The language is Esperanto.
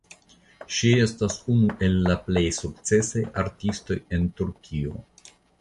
Ŝi estas unu el la plej sukcesaj artistoj en Turkio.